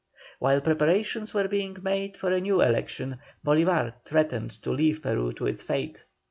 While preparations were being made for a new election, Bolívar threatened to leave Peru to its fate.